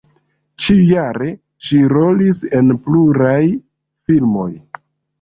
Ĉiujare ŝi rolis en pluraj filmoj.